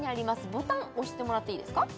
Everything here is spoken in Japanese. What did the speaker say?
ボタン押してもらっていいですか？